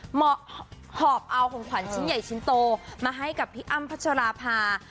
หอบเอาของขวัญชิ้นใหญ่ชิ้นโตมาให้กับพี่อ้ำพัชราภา